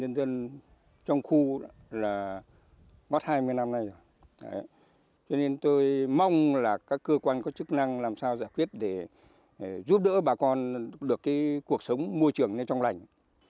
nhân dân trong khu là mất hai mươi năm nay rồi cho nên tôi mong là các cơ quan có chức năng làm sao giải quyết để giúp đỡ bà con được cái cuộc sống môi trường nó trong lành